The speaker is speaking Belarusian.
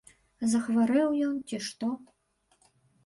Захварэў ён, ці што?